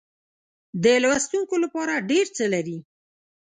د لوستونکو لپاره ډېر څه لري.